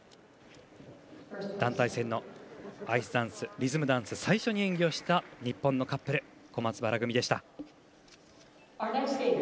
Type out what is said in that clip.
団体戦のアイスダンスリズムダンス最初に演技をした日本のカップル小松原組でした。